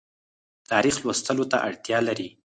تاریخ لوستلو ته اړتیا لري